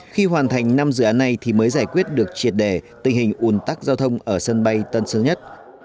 khi hoàn thành năm dự án này thì mới giải quyết được triệt đề tình hình ủn tắc giao thông ở sân bay tân sơn nhất